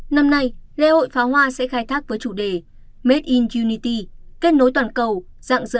năm nay lễ hội phá hoa sẽ khai thác với chủ đề made in unity kết nối toàn cầu